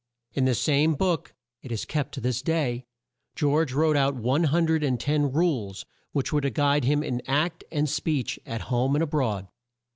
In this same book (it is kept to this day) George wrote out one hun dred and ten "Rules," which were to guide him in act and speech at home and a broad.